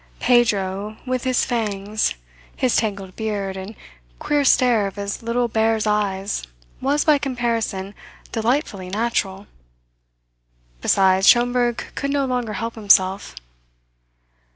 Pedro with his fangs, his tangled beard, and queer stare of his little bear's eyes was, by comparison, delightfully natural. Besides, Schomberg could no longer help himself.